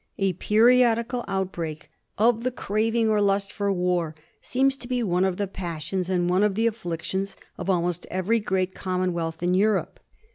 A periodical outbreak of the craving or lust for war seems to be one of the passions and one of the afflictions of almost every great commonwealth in Europe.